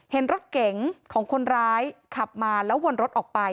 เห็นรถเก๋งของคนร้ายขับมาแล้ววนรถออกไป